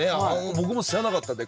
僕も知らなかったので。